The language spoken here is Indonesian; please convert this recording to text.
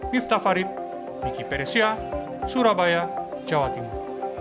miftah farid miki peresia surabaya jawa timur